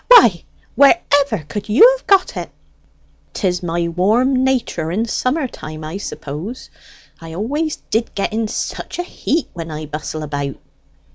Why, wherever could you have got it?" "'Tis my warm nater in summer time, I suppose. I always did get in such a heat when I bustle about."